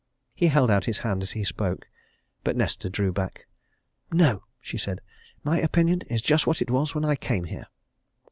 He held out his hand as he spoke. But Nesta drew back. "No!" she said. "My opinion is just what it was when I came here."